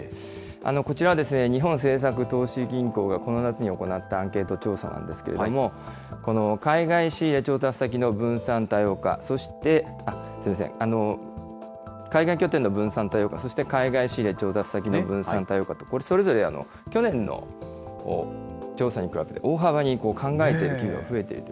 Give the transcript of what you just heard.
こちらは、日本政策投資銀行がこの夏に行ったアンケート調査なんですけれども、海外仕入れ調達先の分散・多様化、そして、すみません、海外拠点の分散、多様化、そして海外仕入れ調達先の分散、これ、それぞれ去年の調査に比べて大幅に考えている企業が増えている。